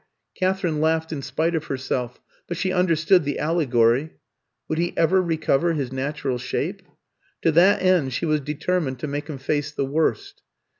Katherine laughed in spite of herself, but she understood the allegory. Would he ever recover his natural shape? To that end she was determined to make him face the worst.